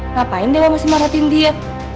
ngapain dewa masih marahin dia